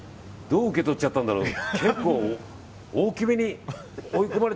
どう受け取っちゃったんだろう。